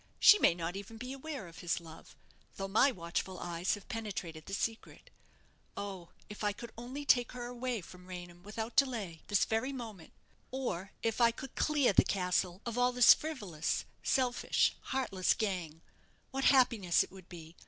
"She may not even be aware of his love, though my watchful eyes have penetrated the secret. Oh, if I could only take her away from Raynham without delay this very moment or if I could clear the castle of all this frivolous, selfish, heartless gang what happiness it would be!